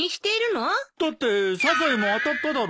だってサザエも当たっただろ？